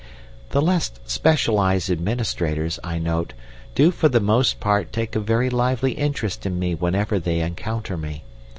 "The less specialised administrators, I note, do for the most part take a very lively interest in me whenever they encounter me.